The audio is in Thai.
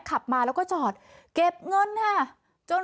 ขับมาแล้วก็จอดเก็บเงินค่ะจน